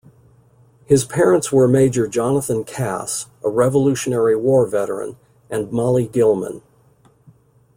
His parents were Major Jonathan Cass, a Revolutionary War veteran, and Molly Gilman.